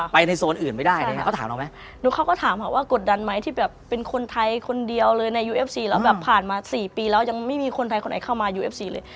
เพราะว่าเป็นการเรียกการก็จะขยายไป